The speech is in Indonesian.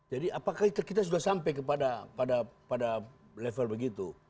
jadi apakah kita sudah sampai pada level begitu